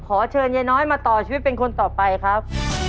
ขอเชิญยายน้อยมาต่อชีวิตเป็นคนต่อไปครับ